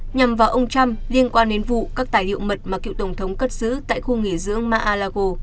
nhằm vào ông trump liên quan đến vụ các tài liệu mật mà cựu tổng thống cất giữ tại khu nghỉ dưỡng mar a lago